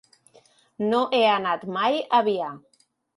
No he anat mai a Biar.